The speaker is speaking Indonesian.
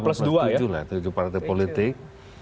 lima plus dua lah tujuh partai politik